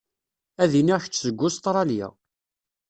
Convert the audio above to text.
Ad iniɣ kečč seg Ustṛalya.